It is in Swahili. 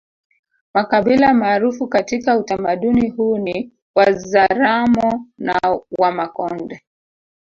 Makabila maarufu katika utamaduni huu ni Wazaramo na Wamakonde